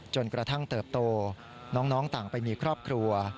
จนกระทั่งเติบโตน้องต่างไปมีครอบครัว